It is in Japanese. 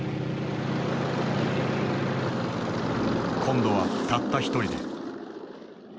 今度はたった一人で。